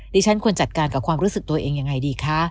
ดิฉันควรจัดการกับความรู้สึกตัวเองยังไงดีคะ